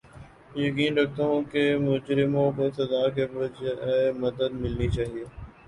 یقین رکھتا ہوں کہ مجرموں کو سزا کے بجاے مدد ملنی چاھیے